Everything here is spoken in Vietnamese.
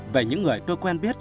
về những người tôi quen biết